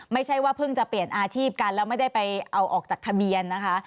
ไม่ใช่ว่าเพิ่งจะเปลี่ยนอาชีพกันแล้วไม่ได้ไปเอาออกจากทะเบียนนะคะ